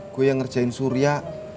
gue yang ngerjain surya